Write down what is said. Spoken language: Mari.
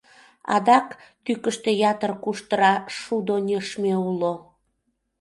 Адак, тӱкыштӧ ятыр куштыра шудо нӧшмӧ уло.